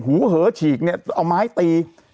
หูเหอฉีกเนี่ยเอาไม้ตี